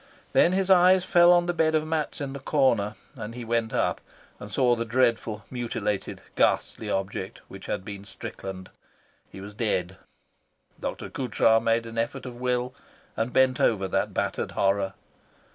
Then his eyes fell on the bed of mats in the corner, and he went up, and he saw the dreadful, mutilated, ghastly object which had been Strickland. He was dead. Dr. Coutras made an effort of will and bent over that battered horror.